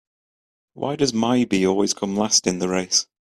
Why does my bee always come last in the race?